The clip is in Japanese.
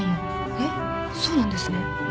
えっそうなんですね。